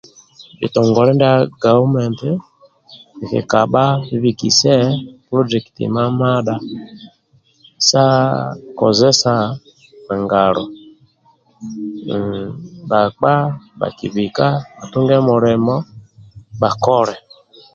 Bhitongole ndia gaumenti kikabha abikise polojekiti mamadha sa kozesa ngalo mmm bhakpa bhakibika bhatunge mulimo bhakole